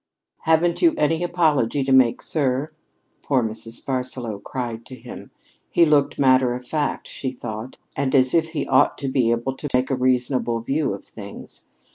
"Haven't you any apology to make, sir?" poor Mrs. Barsaloux cried to him. He looked matter of fact, she thought, and as if he ought to be able to take a reasonable view of things.